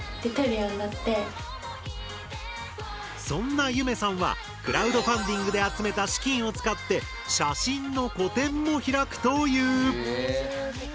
そんなゆめさんはクラウドファンディングで集めた資金を使って写真の個展も開くという。